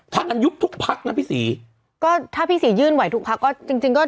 ถ้าอันยุบทุกพักนะพี่ศรีก็ถ้าพี่ศรียื่นไหวทุกพักก็จริงจริงก็